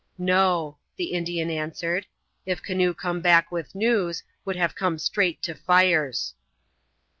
"No," the Indian answered. "If canoe come back with news, would have come straight to fires."